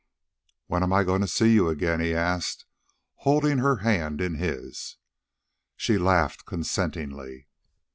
"When am I goin' to see you again?" he asked, holding her hand in his. She laughed consentingly.